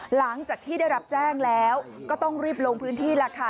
หลังจากที่ได้รับแจ้งแล้วก็ต้องรีบลงพื้นที่แล้วค่ะ